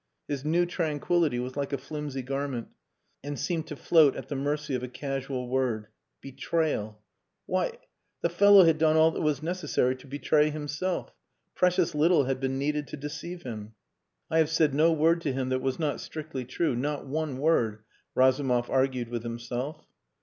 His new tranquillity was like a flimsy garment, and seemed to float at the mercy of a casual word. Betrayal! Why! the fellow had done all that was necessary to betray himself. Precious little had been needed to deceive him. "I have said no word to him that was not strictly true. Not one word," Razumov argued with himself.